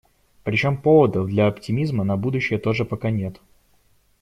Причём поводов для оптимизма на будущее тоже пока нет.